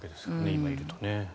今、いるとね。